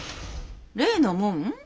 例のもん？